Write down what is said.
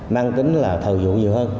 mang tính là thầu dụng nhiều hơn